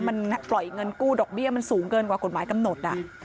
มันปล่อยเงินกู้ดอกเบี้ยมันสูงเกินกว่ากฎหมายกำหนด